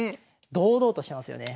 堂々としてますよね。